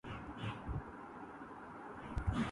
دام ہر موج میں ہے حلقۂ صد کام نہنگ